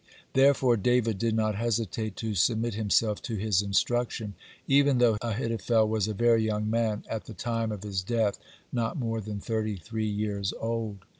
Therefore David did not hesitate to submit himself to his instruction, (62) even though Ahithophel was a very young man, at the time of his death not more than thirty three years old.